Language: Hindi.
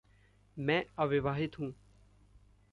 मैं अविवाहित हूँ।